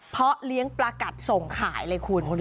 เพราะเลี้ยงปลากัดส่งขายเลยคุณ